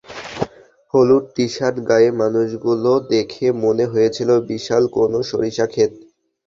হলুদ টি-শার্ট গায়ে মানুষগুলো দেখে মনে হয়েছিল বিশাল কোনো সরিষা খেত।